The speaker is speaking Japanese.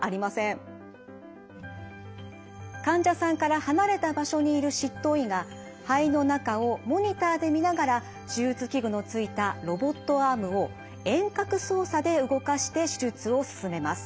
患者さんから離れた場所にいる執刀医が肺の中をモニターで見ながら手術器具のついたロボットアームを遠隔操作で動かして手術を進めます。